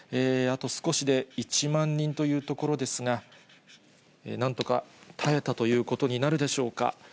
あと少しで１万人というところですが、なんとか耐えたということになるでしょうか。